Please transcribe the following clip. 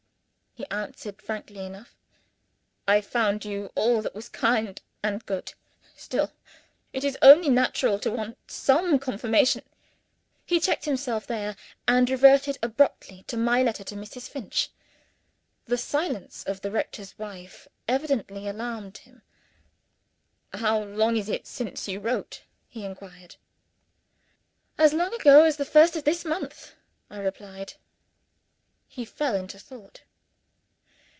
He answered frankly enough. "I found you all that was kind and good. Still, it is surely only natural to want some confirmation " He checked himself there, and reverted abruptly to my letter to Mrs. Finch. The silence of the rector's wife evidently alarmed him. "How long is it since you wrote?" he inquired. "As long ago as the first of this month," I replied. He fell into thought.